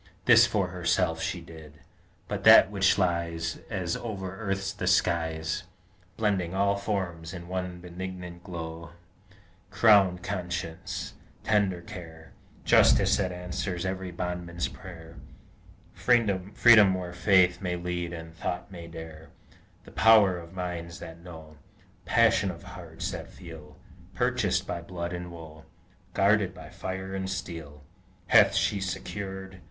This for herself she did; but that which lies, As over earth the skies, Blending all forms in one benignant glow, Crowned conscience, tender care, Justice that answers every bondman's prayer, Freedom where Faith may lead and Thought may dare, The power of minds that know, Passion of hearts that feel, Purchased by blood and woe, Guarded by fire and steel, Hath she secured?